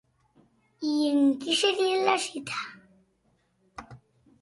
I amb qui seria la cita?